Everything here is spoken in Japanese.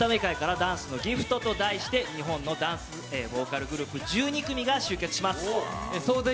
エンタメ界から「ダンスのＧＩＦＴ」と題して日本のダンスボーカルグループ１２組が集結します。